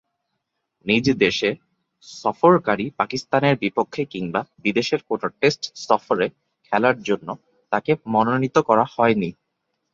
নিজ দেশে সফরকারী পাকিস্তানের বিপক্ষে কিংবা বিদেশের কোন টেস্ট সফরে খেলার জন্য তাকে মনোনীত করা হয়নি।